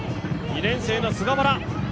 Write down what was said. ２年生の菅原。